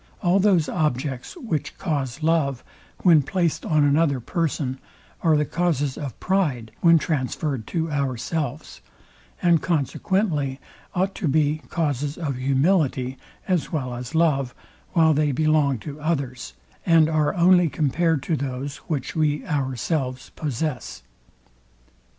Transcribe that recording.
All those objects, which cause love, when placed on another person, are the causes of pride, when transfered to ourselves; and consequently ought to be causes of humility, as well as love, while they belong to others, and are only compared to those, which we ourselves possess.